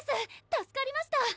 助かりました！